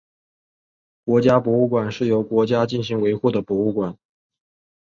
国家博物馆是由国家进行维护的博物馆。